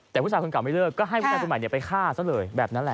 แต่ผู้ชายคนเก่าไม่เลิกก็ให้ผู้ชายคนใหม่ไปฆ่าซะเลยแบบนั้นแหละ